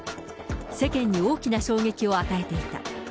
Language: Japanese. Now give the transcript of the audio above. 世間に大きな衝撃を与えていた。